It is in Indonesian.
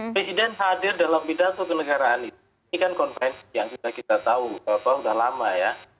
presiden hadir dalam pidato kenegaraan ini ini kan konferensi yang sudah kita tahu sudah lama ya